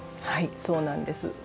はいそうなんです。